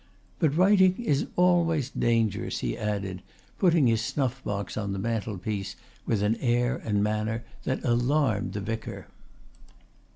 "But writing is always dangerous," he added, putting his snuff box on the mantelpiece with an air and manner that alarmed the vicar.